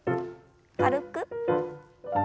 軽く。